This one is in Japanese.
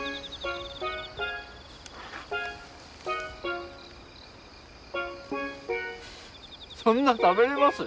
フフそんな食べれます？